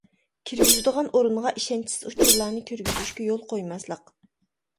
كىرگۈزىدىغان ئورۇنغا ئىشەنچىسىز ئۇچۇرلارنى كىرگۈزۈشكە يول قويماسلىق.